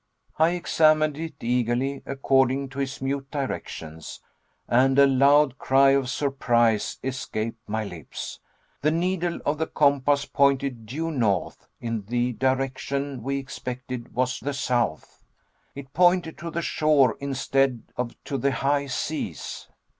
I examined it eagerly according to his mute directions, and a loud cry of surprise escaped my lips. The needle of the compass pointed due north in the direction we expected was the south! It pointed to the shore instead of to the high seas.